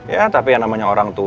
ya tapi yang namanya orang tua